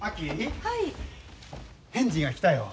返事が来たよ。